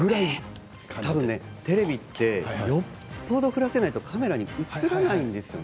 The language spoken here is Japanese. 多分ねテレビってよっぽど降らせないとカメラに映らないんですよね。